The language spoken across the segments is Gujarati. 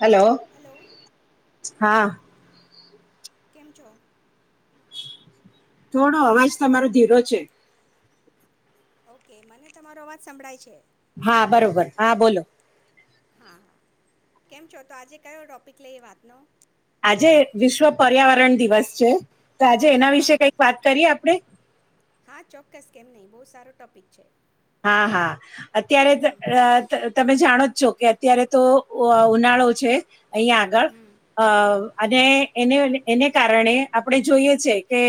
[inaudible] હલો. હા. કેમ છો? થોડો અવાજ તમારો ધીરો છે. ઓકે મને તમારો અવાજ સંભળાય છે. હા બરોબર હા બોલો. હા હા કેમ છો? તો આજે કયો ટોપિક લઈ વાતનો. આજે વિશ્વ પર્યાવરણ દિવસ છે. તો આજે એના હા વિશે કઈક વાત કરીએ આપડે? હા ચોક્કસ કેમ નહિ બહુ સારો ટોપિક છે. હા હા અત્યારે ત અ તમે જાણો જોકે અત્યારે તો અ ઉનાળો છે. અહીંયા આગળ હમ અ અને એને એને કારણે આપણે જોઈએ છે કે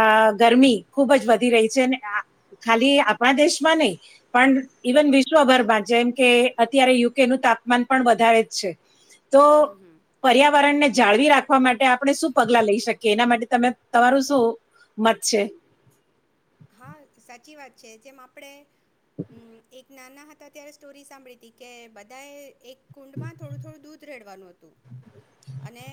અ ગરમી ખુબ જ વધી રહી છે અને ખાલી આપણા દેશ મને પણ હમ ઇવન વિશ્વભર બા જેમ કે અત્યારે યુકે નું તાપમાન પણ વધારે જ છે. તો હમ હમ પર્યાવરણને જાળવી રાખવા માટે આપણે શું પગલા લઈ શકીએ એના માટે તમે તમારું શું મત છે? હા સાચી વાત છે જેમ આપડે હમ એક નાના હતા ત્યારે સ્ટોરી સાંભળી હતી કે બધાએ એક કુંડમાં થોડું થોડું દૂધ રહેડવાનું હતું. [inaudible] અને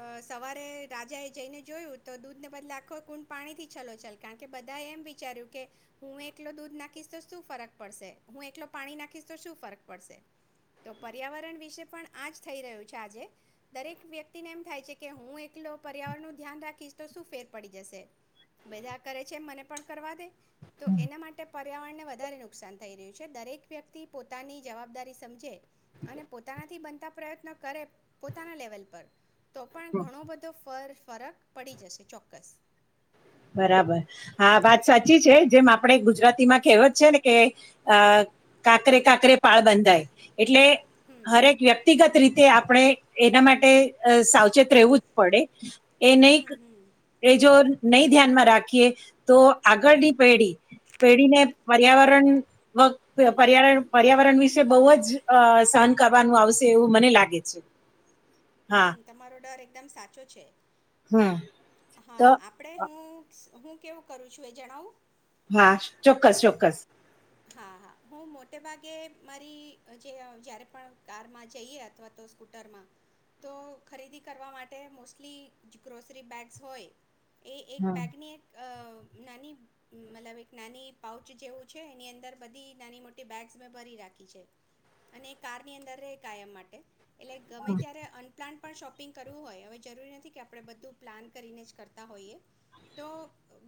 અ સવારે રાજા એ જઈને જોયું તો દૂધને બદલે આખો કુંડ પાણી થી છલો છલ કારણ બધા એમ વિચાર્યું કે હું એકલો દૂધ નાખીશ તો શું ફરક પડશે, હું એકલો પાણી નાખીશ તો શું ફરક પડશે. તો પર્યાવરણ વિશે પણ આજ થઈ રહ્યું છે આજે દરેક વ્યક્તિને એમ થાય છે કે હું એકલો પર્યાવરણ નું ધ્યાન રાખીશ તો શું ફેર પડી જશે બધા કરે છે મને પણ કરવા દે. તો એના માટે પર્યાવરણને વધારે નુકસાન થઈ રહ્યું છે દરેક વ્યક્તિ પોતાની જવાબદારી સમજે અને પોતાનાથી બનતા પ્રયત્નો કરે પોતાના લેવલ પર. તો પણ ઘણો બધો ફર ફરક પડી જશે ચોક્કસ. બરાબર, હા વાત સાચી છે જેમ આપડ ગુજરાતીમાં કેવત છે ને કે અ કાકરે, કાકરે પાળ બંધાય. એટલે હમ હરેક વ્યક્તિગત રીત તે આપણે એના માટે અ સાવચેત રહેવું જ પડે. એ નહી હમ હમ એ જો નહી ધ્યાનમાં રાખીએ તો આગળની પેઢી પેઢીને પર્યાવરણ પર્યાણ પર્યાવરણ વિશે બહુ જ સહન કરવાનું આવશે એવું મને લાગે છે. હા હમ તમારો ડર એકદમ સાચો છે. હમ હા તો આપણેે હું. હું કેવું કરું છું એ જણાવું. હા ચોક્કસ ચોક્કસ. હા હા હું મોટે ભાગે મારી જે જયારે પણ કારમાં જઈએ, અથવા તો સ્કૂટરમાં તો ખરીદી કરવા માટે મોસ્ટલી ગ્રોસરી બેગ્સ હોય એ એક હમ બેગની એક અ નાની મતલબ એક નાની પાઉચ જેવો છે. એની અંદર બધી નાની મોટી બેગસ મેં ભરી રાખી છે. અને કારની અંદર ર કાયમ માટે. એટલે ગમે ત્યારે અનપ્લાન્ટ પણ શોપિંગ કરવું હોય હવે જરૂરી નથી કે આપણે બધું પ્લાન કરીને જ કરતા હોઈએ, તો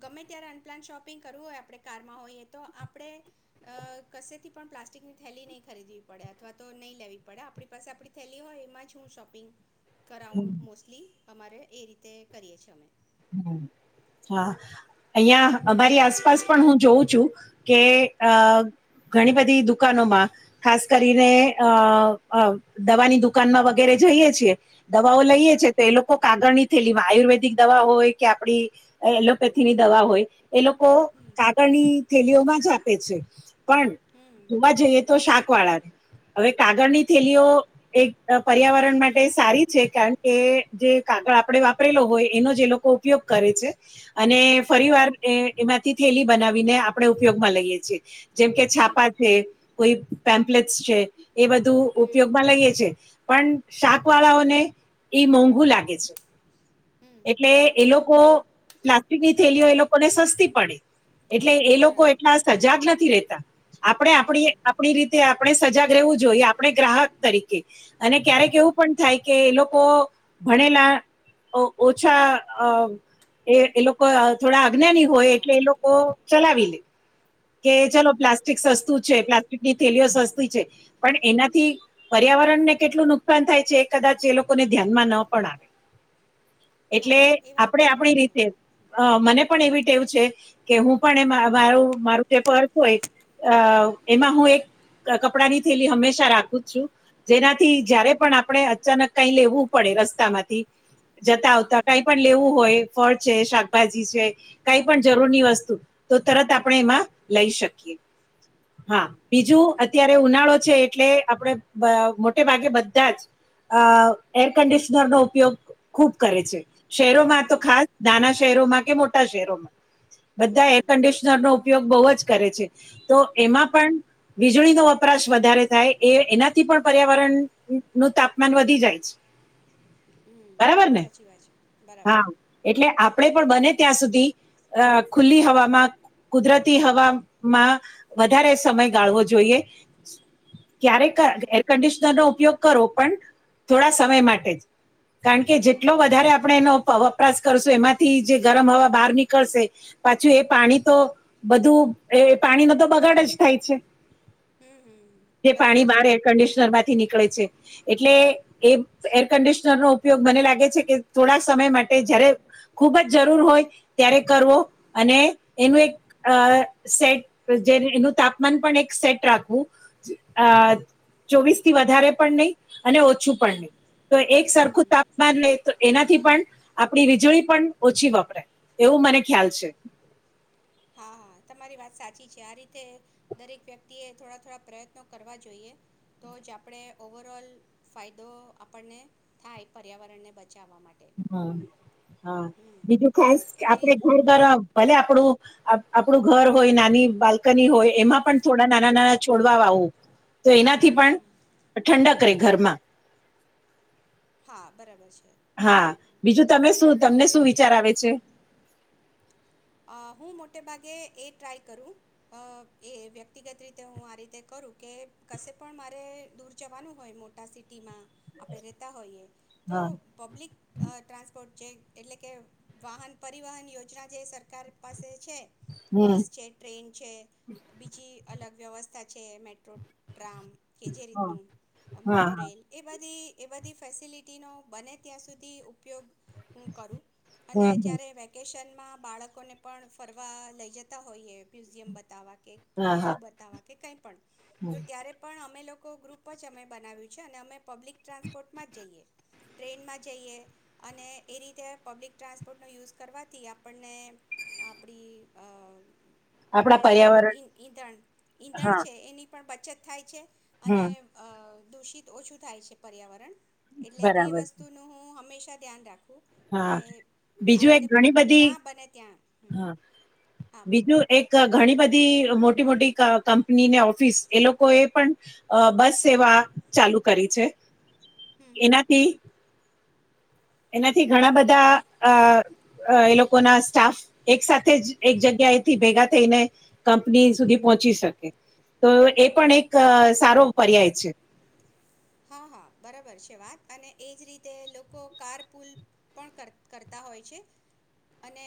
ગમે ત્યારે અનપ્લાન શોપિંગ કરવું હોય આપણે કારમાં હોઈએ તો આપ આપડે કશેથી પણ પ્લાસ્ટિકની થેલી નહી ખરીદવી પડે અથવા તો નહી લેવી પડે આપણી પાસે આપડી થેલી હોય, એમાં હું શોપિંગ કરઉ હમ, મોસ્ટલી. અમારે એ રીતે કરીએ છીએ અમે. હ હા અહિયાં અમારી આસપાસ પણ હું જોઉં છું કે અ ઘણી બધી દુકાનોમાં ખાસ કરીને અ અ દવાની દુકાનમાં વગેરે જઈએ છીએ. દવાઓ હમ લઈએ છે તો એ લોકો કાગળ ની ઘેલી વા આયુર્વેદિક દવા હોય કે આપડી એલોપેથીની દવા હોય એ લોકો હમ કાગળની થેલીઓમાં જ આપે છે. પણ હમ ઉમા જઈએ તો શાક વાળ હવે કાગળની થેલીઓ એક પર્યાવરણ માટે સારી છે, કારણ કે જે કાગળ આપણે વાપરેલો હોય એનો જ લોકો ઉપયોગ કરે છે. અને ફરી બરાબર વાર એ એમાં થી થેલી બનાવીને આપણે ઉપયોગમાં લઈએ છીએ જેમ કે હમ છાપા છે, કોઈ પેમ્પલેટસ છે. એ બધું હમ હમ ઉપયોગમાં લઈએ છે, પણ શાક હમ વાળાઓને એ મોંઘુ લાગે છે. હમ એટલે એ લોકો પ્લાસ્ટિકની થેલીઓ એ લોકોને સસ્તી પડે. એટલે એ લોકો બરાબર એટલા સજાગ નથી. રહેતા. આપણે આપણી હમ આપડી રીતે આપણે સજાગ રહેવું જોઈએ, આપણે ગ્રાહક તરીકે અને ક્યારેક હમ એવું પણ થાય કે એ લોકો ભણેલા ઓછા અ એ એ લોકો થોડા અજ્ઞાની હોય હા એટલે એ લોકો ચલાવી લે. કે હમ હમ ચલો પ્લાસ્ટિક સસ્તુ છે પ્લાસ્ટિકની થેલીઓ સસ્તી છે પણ એનાથી પર્યાવરણને કેટલું નુકસાન થાય છે એ કદાચ એ લોકોને ધ્યાનમાં ન પણ આવે. એટલે હા એ વાત આપડે બરાબર આપણી છે રીતે અ મને પણ એવી એવું છે કે હું પણ એ મારું મારું જે પર્થ હોય અ એમાં હું એક કપડાની થેલી હંમેશા રાખું છું. જેનાથી હમ જયારે પણ આપણે અચાનક કઈ લેવું પડે રસ્તામાંથી જતા હમ આવતા હમ કઈ પણ લેવું હોય ફળ છે, શાકભાજી છે કઈ પણ જરૂરીની વસ્તુ તો તરત આપણે એમા લઈ શકીએ. હા હમ બીજું બરાબર અત્યારે ઉનાળો છે એટલે આપણે અ મોટે ભાગે બધા જ અ એર કન્ડિશનર નો ઉપયોગ ખૂબ કરે છે. શહેરોમાં તો હા ખાસ નાના શહેરોમાં કે મોટા શહેરોમાં. હમ બધા એર હમ કન્ડિશનર નો ઉપયોગ બવ જ જ કરે છે. તો એમાં બરાબર પણ વીજળીનો વપરાશ વધારે થાય એ એનાથી પણ પર્યાવરણ નું તાપમાન વધી જાય છે. હમ્મ, બરાબર ને સાચી વાત છે, બરાબર. હા એટલે આપણે પણ બને ત્યાં સુધી અ ખુલ્લી હવામાં કુદરતી હ વા વધારે સમય ગાળવો જોઈએ. ક્યારેક હમ એર કન્ડિશનર નો ઉપયોગ કરો પણ થોડા સમય માટે જ કારણ કે જેટલો વધારે આપણે એનો વપરાશ કરશું એમાંથી જે ગરમ હવા બહાર નીકળશે પાછું એ પાણી તો બધું એ પાણીનો તો બગાડ જ થાય છે. હમ હમ જે પાણી બરાબર બહાર છે એર કન્ડિશનર માંથી ની નીકળે છે એટલે એ એર કન્ડિશનર નો ઉપયોગ મને લાગે છે કે થોડા સમય માટે જયારે ખુબ જ જરૂર હોય ત્યારે જ કરવો અને એનું એક અ સેટ જેનું તાપમાન પણ એક સેટ રાખવું અ ચોવીસ થી વધારે પણ નહી અને ઓછું પણ હમ નહીં તો એક હમ સરખું હમ તાપમાન ને એનાથી પણ આપણી વીજળી પણ ઓછી વપરાય એવું મને ખ્યાલ છે. હા હા તમારી વાત સાચી છે. આ રીતે દરેક વ્યક્તિએ થોડા થોડા પ્રયત્નો કરવા જોઈએ તો જ આપણે ઓવરઓલ ફાયદો આપણને થાય પર્યાવરણને બ હા હા હમ બીજું ખાસ એવી આપડ રી ઘર ઘર ભલે આપડું... આપણું ઘર હોય નાની બાલ્કની હોય એમાં પણ થોડા નાના નાના છોડવા આવું. તો એનાથી હમ પણ હમ ઠંડક... ઘર માં. હા બરાબર છે. હા હમ બીજું તમે શું તમને શું વિચાર આવે છે. હું મોટે ભાગે એ ટ્રાય કરું એ વ્યક્તિગત રીતે હું આ રીતે કરું કે કશે પણ મારે દૂર જવાનું હોય મોટા સિટીમાં આપણે રહેતા હોઈએ. તો હા પબ્લિક ટ્રાસપોર્ટ... એટલે કે વાહન પરિવહન યોજના જે સરકાર... સરકાર પાસે છે. હમ બસ છે ટ્રેન છે બીજી અલગ વ્યવસ્થ છે મેટ્રો. ટ્રામ કે જે હા રીતનું મોનો હા રેલ એ બધી... એ બધી ફેસિલિટીનો બને ત્યાં સુધી ઉપયોગ.. અને હમ હમ. જયારે વેકશન બા બાળક લોકોને પણ ફરવા લઈ જતા હોઈએ મ્યુઝિયમ બતાવવા. હા હા એકઝૂ બતાવા. કે કંઈ પણ. તો હમ. ત્યારે પણ અમે લોકો ગ્રુપ જ અમે બનાવ્યું છે અને અમે પબ્લિક ટ્રાન્સપોર્ટમાં જઈએ ટ્રેનમાં જઈએ અને એ રીતે પબ્લિક ટ્રાન્સપોર્ટનો યુઝ કરવાથી આપણને- આપડી આ- આપણા જે પર્યાવરણ ઈંધણ ઈંધણ હા છે એની પણ છ થાય છે. હમ અને અ. દૂષિત ઓછું થાય છે પર્યાવરણ એટલે એ બરાબર વસ્તુનું હું હંમેશ... અ ધ્યાન રાખ હા બીજું એક ઘણી બધી જ્યાં બને ત્યાં હમ હા હા બોલો બીજું એક ઘણી બધી એલો મોટી મોટી ક કંપનીને ઓફિસ એ લોકોએ પણ બસ સેવા ચાલુ કરી છે. હમ હમ એનાથી એનાથી ઘણા બધા અ અ એ લોકોના સ્ટાફ એક સાથે જ એક જગ્યાએથી ભેગા થઈને કંપની સુધી પહોંચી શકે તો એ પણ એક સારો પર્યાય છે. હા હા બરાબર છે વાત અને એજ રીતે લોકો કાર પુલ પણ કરતા હોય છે અને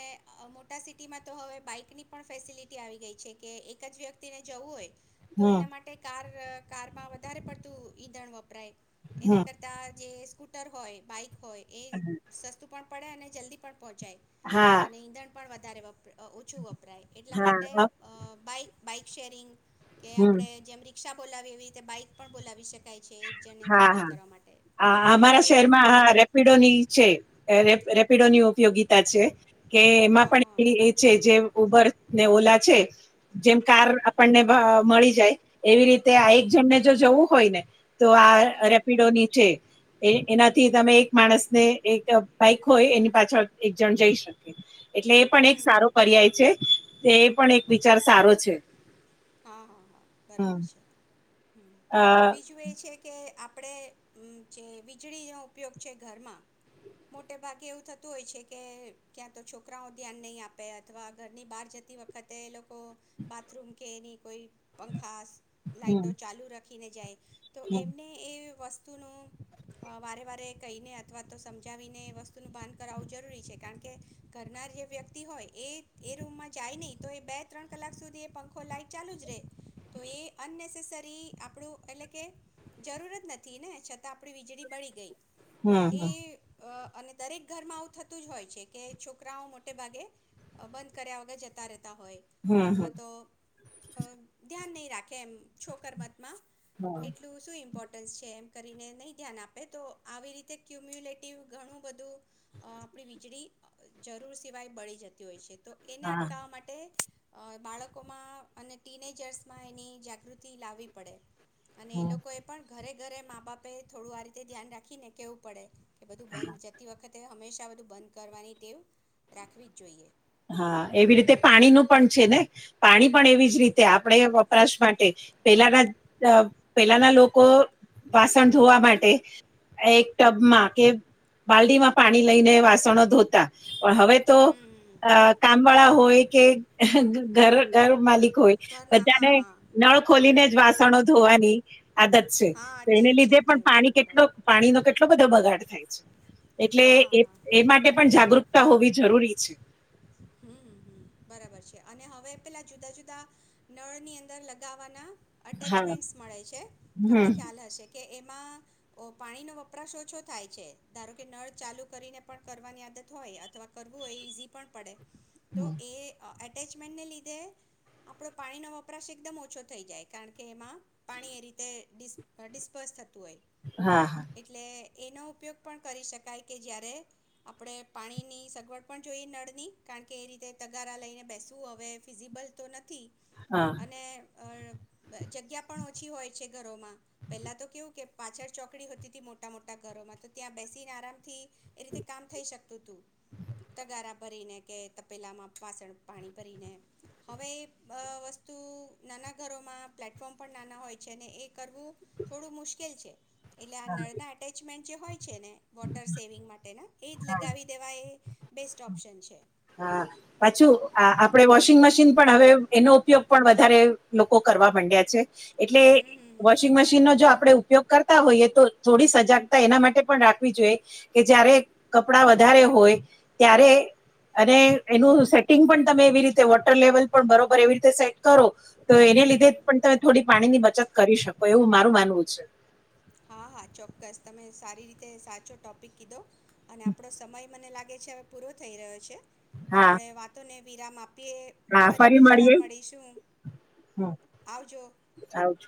મોટા સિટીમાં તો હવે બાઈકની પણ ફેસિલિટી આવી ગઈ છે કે એક જ વ્યક્તિને જવું હોય. તો હમ એના માટે કાર કારમાં વધારે પડતું ઈંધણ વપ. [unintelligible] એના હમ કરતા જે કૂટર હોય બાઇક હોય એ જ સસ્તું પણ પડે અને જલ્દી પણ પહોંચાય હા અને ઈંધણ પણ વ ધારેબ. અ ઓછું વપરાય એટલા હા માટે હા અ બાઇક બાઈક શેરિંગ, કે હમ આપડે જેમ રિક રીક્ષા બોલાવી એવી રીતે બાઈક પણ બોલાવી શકાય છે. જણને હા ટ્રાવેલ હા કરવા માટે આઅમારા એ રીતના શહેરમાં આ પણ રેપિડોની છે અ રેપ રેપ પીડોની ઉપયોગિતા છે. કે એમાં હા પણ એ એ છે જે ઉબર ને ઓલા છે. જેમ કાર હા આપણને વહ મળી જાય. એવી રીતે આ હમ એક જણને જો જવું હોય ને તો આ હમ રેપિડો ની છેે. એ એનાથી તમે એક માણસ ને એક બાઈક હોય એની પાછળ એક જણ જઈ શકે. એટલે એ પણ એક સારો હમ પર્યાય છે. તે એ પણ એક વિચાર સારો છે. હા હા હા હમ બરાબર છે હ અ બીજું એ છે. કે આપણે જે વીજળીનો ઉપયોગ છે ઘરમાં મોટે ભાગે એવું થતું હોય છે કે ક્યાં તો છોકરાઓ ધ્યાન નહીં આપે અથવા ઘરની બહાર જતી વખતે એ લોકો બાથરૂમ. કે નહી કો પંખા. લાઈટો હમ ચાલુ રાખ કીને જાય. તો હમ એમને એ. વસ્તુનું વારે વારે કહીને અથવા તો સમજાવીને વસ્તુનું બાંધ કરાવવું જરૂરી છે કારણ કે ઘરનાર જે વ્યક્તિ હોય એ એ રૂમમાં જાય નહી તો એ બે ત્રણ કલાક સુધી એ આખો લઇટ ચાલુ જ રહે તો એ અનનેસેસરી આપણું એટલે કે જરૂર જ નથી ને છતાં આપણી વીજળી બળી ગઈ. તો હમ એ હમ અ અને દરેક ઘરમાં આવું થતું જ હોય છે કે છોકરાઓ મોટે ભાગે બંધ કર્યા વગર જતા રહેતા. તા હોય હમ હમ અથવા તો અ ધ્યાન નહી રાખે એમ છોકર માં માં હમ એટલું શું ઇમ્પોર્ ટન્સ છે એમ કરીને નહીં ધ્યાન આપે તો આવી રીતે ક્યુમ્યુલેટિવ ઘણું બધું અ આપણી વીજળી જરૂર સિવાય બળી જતી હોય છે. તો એને હા અટકાવવા માટે અ બાળકો માં અને ટીજર્સમાં એની જાગૃતિ લાવવી પડે. અને એ હમ લોકો એ પણ ઘરે ઘરે મા બાપે થોડું આ રીતે ધ્યાન રાખી ને કેવું પડે. કે બધું બંધ જતી વખતે હંમેશા બધું બંધ કરવાની ટેવ રાખવી જ જોઈએ. હા એવી રીતે પાણી નું પણ છે ને પાણી પણ એવી જ રીતે હમ આપણે વપરાશ માટે એ પેલા નાજ. અ હમ પહેલા ના લોક કો વાસણ ધોવા માટે એક ટબમાં કે બાલ્ડીમાં પાણી લઈને વાસણો ધોતા. પણ હવે તો હમ કામ વાળા હોય કે ઘર ગર માલિક હોય ઘરના હા બધાને હા નળ ખોલીને જ વાસણો ધોવાની આદત છે. હા તો ટેવ એને છે લીધે પણ ટેવ છે પાણી કેટલો બરાબર પાણીનો કેટલો બધો બગાડ થાય છે. એટલે હા હા એ હા એ માટે પણ જાગૃકતા હોવી જરૂરી. ચી. હમ્મ હમ્મ બરાબર છે અને હવે પેલા જુદા જુદા નળ ની અંદર લગાવાના હા અટેચમેન્ટ મળે છે. હમ તમને હમ. ખ્યાલ હશે કે એ મા પાણી નો વપરાશ ઓછો થાય છે. ધારો કે નળ ચાલુ કરીને પણ કરવાની આદત હોય અથવા કરવું હોય ઈઝી પણ પડે. તો એ. એટેચમેન્ટને લીધે આપણો પાણીનો વપરાશ એકદમ ઓછો થઈ જાય કારણ કે એમાં પાણી એ રીતે ડીશ ડિસ્પર્સ થ થતું હોય હા હા એટલે એનો ઉપયોગ પણ કરી શકાય કે જય્યારે આપણે પાણીની સગવડ પણ જોઈ નળ થી કારણ કે એ રીતે તગારા લઈને બેસવું હવે ફિઝિબલ તો નથી હા અને અ જગ્યા પણ ઓછી હોય છે ઘરોમાં પેલા તો કેવું કે પાછળ ચોકડી હોતી હતી મોટા મોટા ઘરોમાં તો ત્યાં બેસીને આરામથી એ રીતે કામ થઈ શકતું તું તગારા ભરીને કે તપેલામાં પાસણ પાણી ભરીને હવે વસ્તુ નાના ઘરોમાં પ્લેટફોર્મ પણ નાના હોય છે ને એ કરવું થોડું મુશ્કેલ છે. એટલે આ હા નળના એટેચમેન્ટ જે હોય છે ને વોટર સેવિંગ માટે. એ જ હા લગાવી દેવા એ બેસ્ટ ઓપ્શન છે હા પાછું આપડે વોશિંગ મશીન પણ હવે એનો ઉપયોગ પણ વધારે લોકો કરવા માંડ્યા છે. એટલે હમ હમ હમ વોશિંગ મશીન નો જો આપડે ઉપયોગ કરતા હોઈએ તો થોડી સજાગતા એના માટે પણ રાખવી જોઈએ કે જયારે કપડાં વધારે હોય ત્યારે અને એનું સેટિંગ પણ તમે એવી રીતે વોટર લેવલ પણ બરોબર એવી રીતે સેટ કરો. તો એને લીધે હમ પણ તમે થોડી પાણી ની બ બચત કરી શકો એવું મારું માનવું છે. હા હા ચોક્કસ તમે સારી રીતે સાચો ટોપિક કીધો અને આપણો સમય મને લાગે છે હવે પૂરો થઈ રહ્યો છે. હા આપડે વાતોને વિરામ આપ હા ફરી બીજી વાર મળીએ મળીશું હમ આવજો. આવજો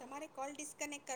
તમારે કોલ ડિસકનેક્ટ કરો.